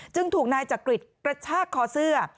ถูกนายจักริตกระชากคอเสื้อ